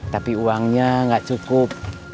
tapi uangnya enggak cukup